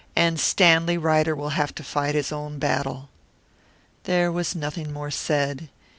"And Stanley Ryder will have to fight his own battle." There was nothing more said.